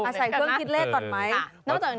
มาใส่เครื่องคิดเลขต่อด้วยไหม